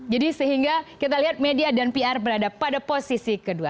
jadi sehingga kita lihat media dan pr berada pada posisi kedua